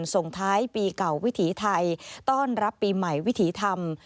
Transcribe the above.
ส่งท้ายปีเก่าวิถีไทยต้อนรับปีใหม่วิถีธรรม